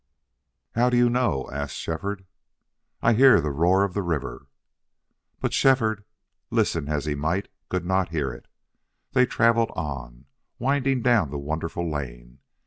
"How do you know?" asked Shefford. "I hear the roar of the river." But Shefford, listen as he might, could not hear it. They traveled on, winding down the wonderful lane.